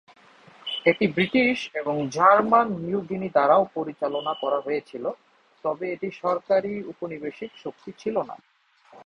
এটি ব্রিটিশ এবং German New Guinea দ্বারাও পরিচালনা করে হয়েছিল, তবে এটি সরকারী উপনিবেশিক শক্তি ছিল না।